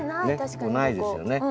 ここないですよね。